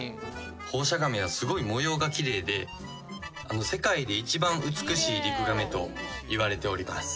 ホウシャガメはすごい模様が綺麗で世界で一番美しいリクガメといわれております。